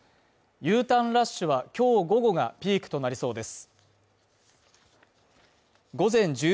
Ｕターンラッシュは今日午後がピークとなりそうです。